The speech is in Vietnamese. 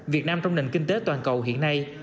việt nam trong nền kinh tế toàn cầu hiện nay